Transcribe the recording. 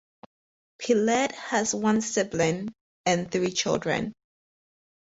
Peled has one sibling and three children.